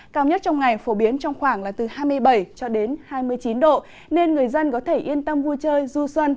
cao nhất trong ngày phổ biến trong khoảng là từ hai mươi bảy cho đến hai mươi chín độ nên người dân có thể yên tâm vui chơi du xuân